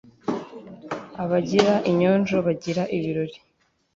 abagira inyonjo bagira ibirori